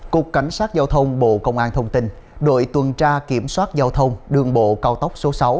cục cảnh sát giao thông bộ công an thông tin đội tuần tra kiểm soát giao thông đường bộ cao tốc số sáu